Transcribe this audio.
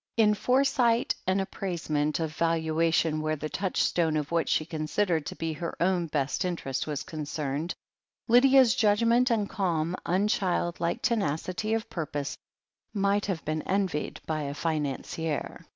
In foresight and appraisement of valuation where the touchstone of what she considered to be her own best interest was concerned, Lydia's judgment and calm, unchildlike tenacity of purpose might have been envied by a financier.